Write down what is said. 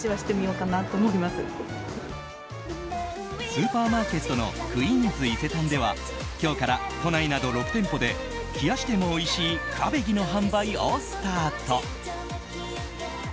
スーパーマーケットのクイーンズ伊勢丹では今日から都内６店舗で冷やしてもおいしいクァベギの販売をスタート。